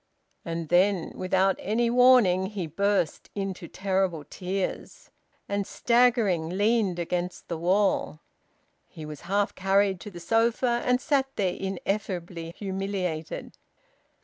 And then, without any warning, he burst into terrible tears, and, staggering, leaned against the wall. He was half carried to the sofa, and sat there, ineffably humiliated.